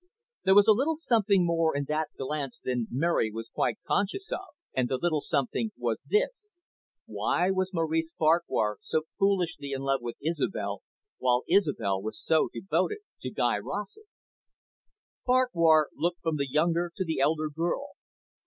There was also a little something more in that glance than Mary was quite conscious of. And the little something was this: Why was Maurice Farquhar so foolishly in love with Isobel, while Isobel was so devoted to Guy Rossett? Farquhar looked from the younger to the elder girl.